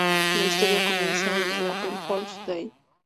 La historia comienza en el April Fools' Day.